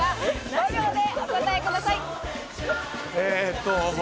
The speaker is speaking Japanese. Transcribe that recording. ５秒でお答えください。